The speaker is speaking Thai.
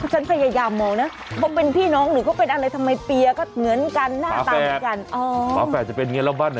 เชื้อเชิญ